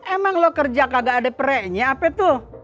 emang lo kerja kagak ada perenya apa tuh